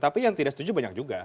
tapi yang tidak setuju banyak juga